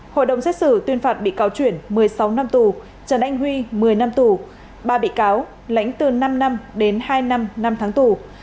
hội đồng xét xử tuyên phạt bị cáo chuyển một mươi sáu năm tù trần anh huy một mươi năm tù ba bị cáo lãnh từ năm năm đến hai năm năm tháng tù